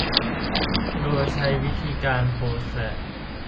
โดยใช้วิธีการโพสและ